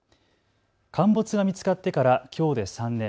陥没が見つかってからきょうで３年。